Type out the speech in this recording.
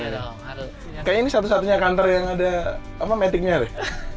kayaknya ini satu satunya kantor yang ada metiknya deh